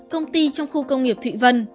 công ty trong khu công nghiệp thụy vân